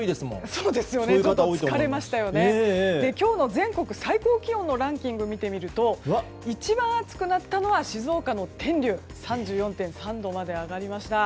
今日の全国の最高気温のランキングを見ると一番暑くなったのは静岡の天竜３４．３度まで上がりました。